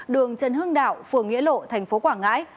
đường trần hưng đạo phường nghĩa lộ tp quảng ngãi